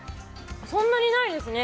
そんなにないですね。